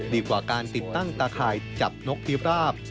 ดีกว่าการติดตั้งตาข่ายจับนกพิราบ